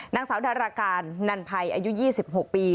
นางสาวดาราการนันภัยอายุ๒๖ปี